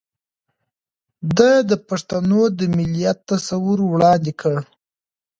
ده د پښتنو د مليت تصور وړاندې کړ